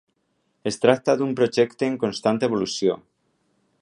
Es tracta d'un projecte en constant evolució.